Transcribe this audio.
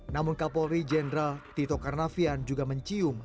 namun kapolri jenderal tito karnavian juga mencium